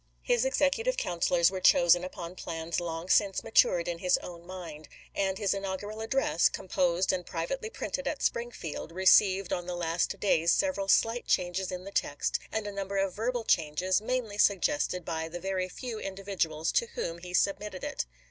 His executive councilors were chosen upon plans long since matured in his own mind; and his inaugural address, composed and privately printed at Springfield, received on the last days several slight changes in the text, and a number of verbal changes, mainly suggested by the very few indi viduals to whom he submitted it.